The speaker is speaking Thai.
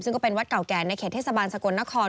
ซึ่งก็เป็นวัดเก่าแก่ในเขตเทศบาลสกลนคร